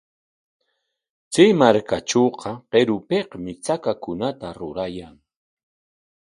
Chay markatrawqa qirupikmi chakakunata rurayan.